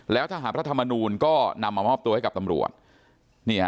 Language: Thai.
แล้วทหารพระธรรมนูลก็นำมามอบตัวให้กับตำรวจ